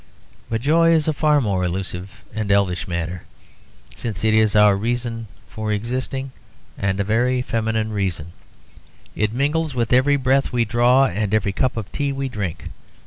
But joy is a far more elusive and elvish matter, since it is our reason for existing, and a very feminine reason; it mingles with every breath we draw and every cup of tea we drink.